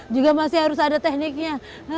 juga masih harus ada tekniknya